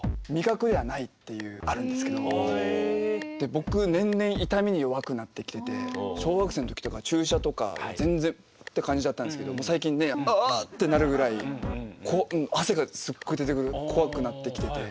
僕年々痛みに弱くなってきてて小学生のときとか注射とか全然って感じだったんですけどもう最近ああ！ってなるぐらい汗がすっごい出てくる怖くなってきてて。